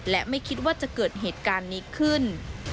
และไม่คิดว่าจะเกิดเหตุการณ์นี้ขึ้น